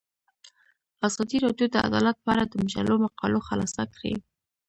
ازادي راډیو د عدالت په اړه د مجلو مقالو خلاصه کړې.